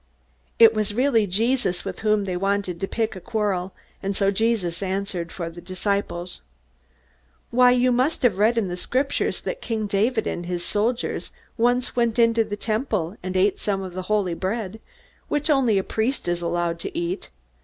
It was really Jesus with whom they wanted to pick a quarrel, and so Jesus answered for the disciples: "Why, you must have read in the Scriptures that King David and his soldiers once went into the Temple and ate some of the holy bread which only a priest is allowed to eat.